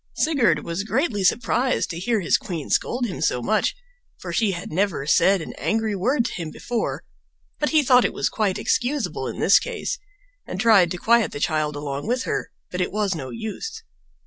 Sigurd was greatly surprised to hear his queen scold him so much, for she had never said an angry word to him before; but he thought it was quite excusable in this case, and tried to quiet the child along with her but it was no use.